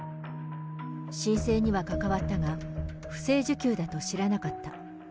申請には関わったが、不正受給だと知らなかった。